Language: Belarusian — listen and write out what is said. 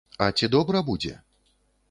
А ці добра будзе?